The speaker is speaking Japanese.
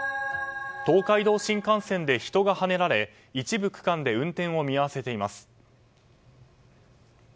東海道新幹線で人がはねられ一部区間で運転を見合わせています。